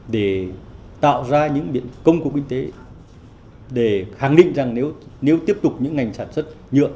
để tạo ra những biện công của kinh tế để khẳng định rằng nếu tiếp tục những ngành sản xuất nhược